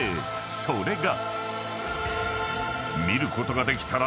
［それが］